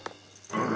うん？